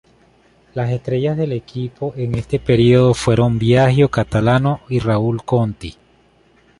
Las estrellas del equipo en este período fueron Biagio Catalano y Raúl Conti.